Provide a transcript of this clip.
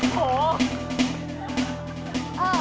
พี่นี่